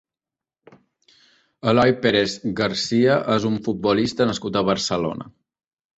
Eloy Pérez García és un futbolista nascut a Barcelona.